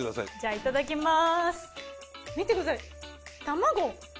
いただきます。